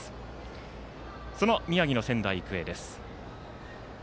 その宮城の仙台育英です。